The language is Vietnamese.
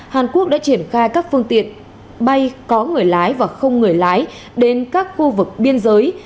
hàn quốc đã triển khai các phương tiện bay có người lái và không người lái đến các khu vực biên giới